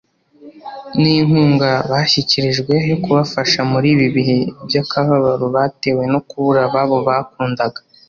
n’inkunga bashyikirijwe yo kubafasha muri ibi bihe by’akababaro batewe no kubura ababo bakundaga